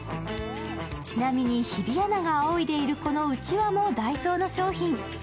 ちなみに、日比アナがあおいでいる、このうちわもダイソーの商品。